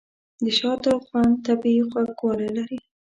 د شاتو خوند طبیعي خوږوالی لري.